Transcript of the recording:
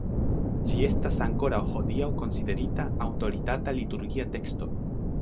Ĝi estas ankoraŭ hodiaŭ konsiderita aŭtoritata liturgia teksto.